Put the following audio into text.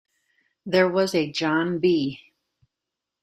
There was a John B.